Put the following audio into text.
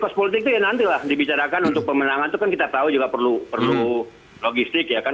kos politik itu ya nantilah dibicarakan untuk pemenangan itu kan kita tahu juga perlu logistik ya kan